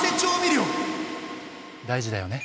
大事だよね。